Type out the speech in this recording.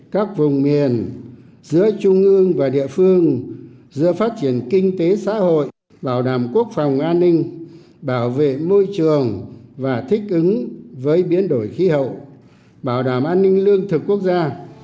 các vùng miền giữa trung ương và địa phương giữa phát triển kinh tế xã hội bảo đảm quốc phòng an ninh bảo vệ môi trường và thích ứng với biến đổi khí hậu bảo đảm an ninh lương thực quốc gia